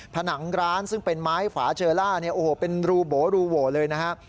ผนังร้านซึ่งเป็นไม้ฝาเชอล่าเนี่ยโอ้โหเป็นรูโบรูโหวเลยนะฮะ